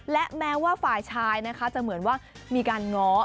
และแม้ว่าฝ่ายชายนะคะจะเหมือนว่ามีการง้อ